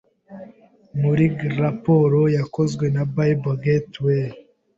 Muri raporo yakozwe na Bible Gataway